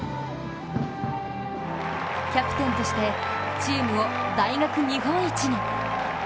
キャプテンとしてチームを大学日本一に。